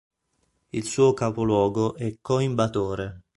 Il suo capoluogo è Coimbatore.